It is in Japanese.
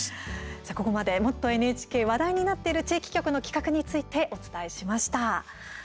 ここまで「もっとＮＨＫ」話題になっている地域局の企画についてお伝えしました。